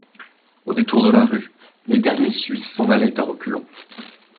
Au détour de la rue, les derniers Suisses s'en allaient à reculons.